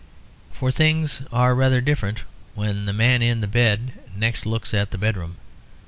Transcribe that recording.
For things are rather different when the man in the bed next looks at the bedroom.